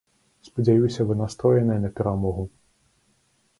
Спадзяюся, вы настроеныя на перамогу?